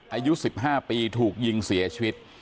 อายุ๑๕ปีถูกยิงเสียชีวิต